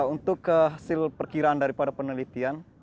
untuk hasil perkiraan dari irgendweltian